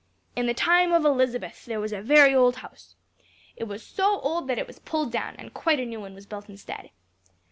In the time of Elizabeth there was a very old house. It was so old that it was pulled down, and a quite new one was built instead.